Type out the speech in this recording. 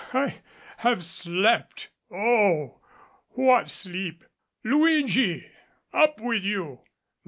I have slept oh, what sleep! Luigi! Up with you.